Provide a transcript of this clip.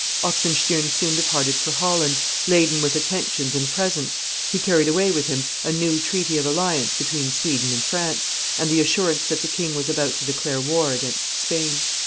Oxenstiern soon departed for Holland, laden with attentions and presents: he carried away with him a new treaty of alliance between Sweden and France, and the assurance that the king was about to declare war against Spain.